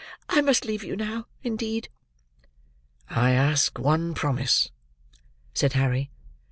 "I must leave you now, indeed." "I ask one promise," said Harry.